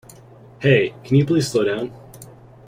Hey, can you please slow down?